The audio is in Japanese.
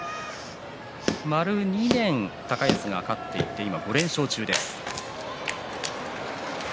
丸２年高安が勝っていて今５連勝中です。